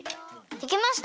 できました！